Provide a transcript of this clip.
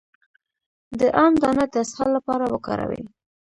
د ام دانه د اسهال لپاره وکاروئ